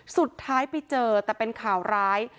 สุดท้ายไปเจอแต่เป็นข่าวร้าย